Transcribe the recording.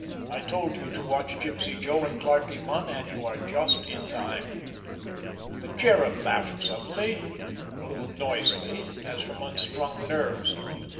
I told you to watch Gypsy Joe and Clarkie Munn, and you are just in time." The Cherub laughed suddenly and a little noisily, as from unstrung nerves.